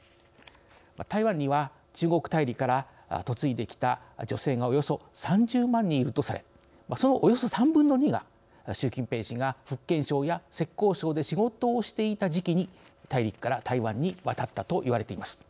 台湾には中国大陸から嫁いできた女性がおよそ３０万人いるとされそのおよそ３分の２が習近平氏が福建省や浙江省で仕事をしていた時期に大陸から台湾に渡ったと言われています。